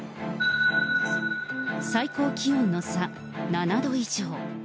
最高気温の差、７度以上。